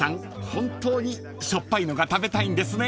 本当にしょっぱいのが食べたいんですね］